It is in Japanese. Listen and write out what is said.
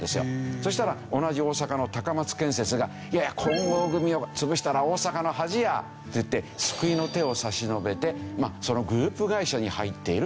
そしたら同じ大阪の松建設が「いやいや金剛組を潰したら大阪の恥や」って言って救いの手を差し伸べてそのグループ会社に入っているんです。